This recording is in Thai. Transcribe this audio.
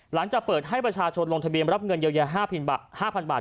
หลังจากเปิดให้ประชาชนลงทะเบียนรับเงินเยียวยา๕๐๐บาท